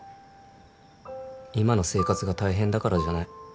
今の生活が大変だからじゃない。